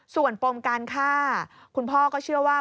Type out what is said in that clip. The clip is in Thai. ส่วนปมการฆ่าคุณพ่อก็เชื่อว่า